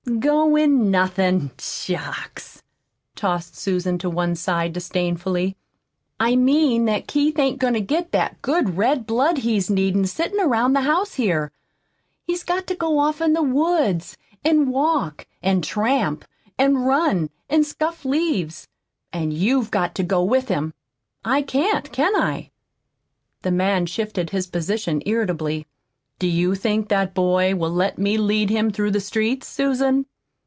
"Goin' nothin' shucks!" tossed Susan to one side disdainfully. "I mean that Keith ain't goin' to get that good red blood he's needin' sittin' 'round the house here. He's got to go off in the woods an' walk an' tramp an' run an' scuff leaves. An' you've got to go with him. I can't, can I?" The man shifted his position irritably. "Do you think that boy will let me lead him through the streets, Susan?